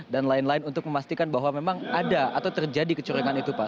dan lain lain untuk memastikan bahwa memang ada atau terjadi kecurigaan itu pak